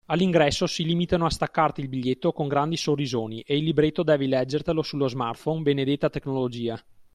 All’ingresso si limitano a staccarti il biglietto con grandi sorrisoni e il libretto devi leggertelo sullo smartphone, benedetta tecnologia.